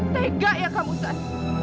tegak ya kamu aksan